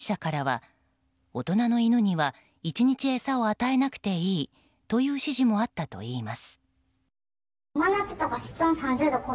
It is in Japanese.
橋本容疑者からは、大人の犬には１日、餌を与えなくていいという指示もあったといいます。